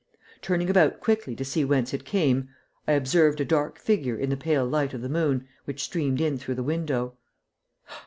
Turning about quickly to see whence it came, I observed a dark figure in the pale light of the moon which streamed in through the window.